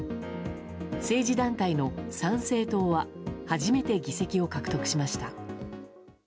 政治団体の参政党は初めて議席を獲得しました。